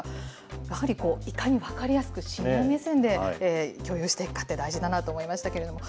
やはりこう、いかに分かりやすくシニア目線で、共有していくかって大事だなと思いましたけれども。